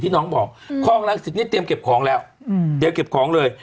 ที่น้องบอกครองลังสิทธิ์นี้เตรียมเก็บของแล้วอืมเดี๋ยวเก็บของเลย